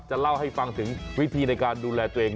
เล่าให้ฟังถึงวิธีในการดูแลตัวเอง